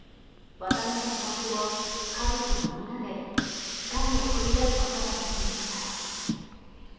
渡辺徹を家族みんなでしっかり送り出すことができました。